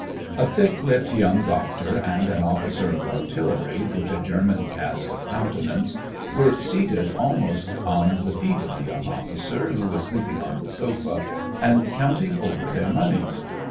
A thick lipped young doctor and an officer of artillery, with a German cast of countenance, were SEVASTOPOL IN AUGUST. 137 seated almost on the feet of the young officer who was sleeping on the sofa, and counting over their money.